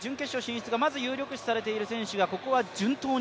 まず有力視されている選手がここは順当に。